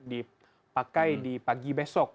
dipakai di pagi besok